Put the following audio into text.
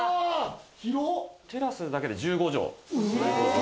テラスだけで１５畳。